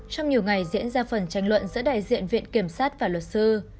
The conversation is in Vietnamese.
trong nhiều ngày diễn ra phần tranh luận giữa đại diện viện kiểm sát và luật sư